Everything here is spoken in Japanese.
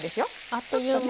あっという間。